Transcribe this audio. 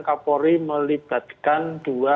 kapolri melibatkan dua